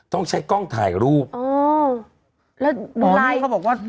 ต้องใช้กล้องถ่ายรูปอ๋อแล้วไลน์เขาบอกว่า